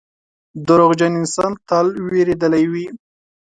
• دروغجن انسان تل وېرېدلی وي.